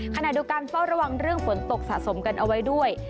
ขณะเดียวกันเฝ้าระวังเรื่องฝนตกสะสมกันเอาไว้ด้วย